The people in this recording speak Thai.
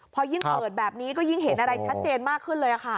พอยิ่งเปิดแบบนี้ก็ยิ่งเห็นอะไรชัดเจนมากขึ้นเลยค่ะ